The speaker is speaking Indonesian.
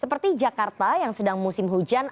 seperti jakarta yang sedang musim hujan